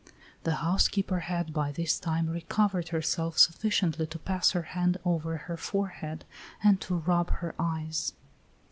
The housekeeper had by this time recovered herself sufficiently to pass her hand over her forehead and to rub her eyes.